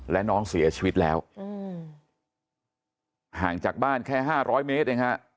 และน้องเสียชีวิตแล้วห่างจากบ้านแค่๕๐๐เมตรเองฮะ